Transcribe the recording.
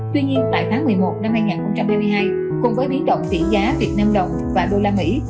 tuy nhiên tại tháng một mươi một năm hai nghìn hai mươi hai cùng với biến động tỷ giá việt nam đồng và đô la mỹ